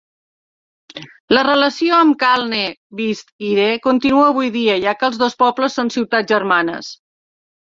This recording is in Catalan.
La relació amb Calne, Wiltshire, continua avui dia, ja que els dos pobles són ciutats germanes.